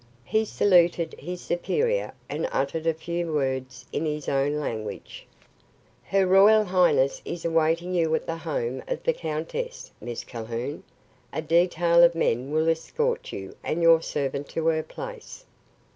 He saluted his superior and uttered a few words in his own language. "Her royal highness is awaiting you at the home of the countess, Miss Calhoun. A detail of men will escort you and your servant to her place."